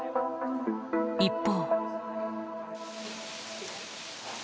一方。